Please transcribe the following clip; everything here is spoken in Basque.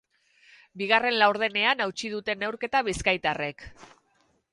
Bigarren laurdenean hautsi dute neurketa bizkaitarrek.